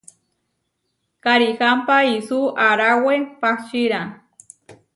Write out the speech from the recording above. Karihámpa isú aaráwe pahčíra.